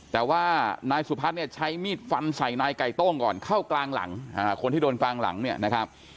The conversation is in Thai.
แต่ว่านายสุพัฒน์เนี่ยใช้มีดฟันใส่นายไก่โต้งก่อนเข้ากลางหลังคนที่โดนกลางหลังเนี่ยนะครับ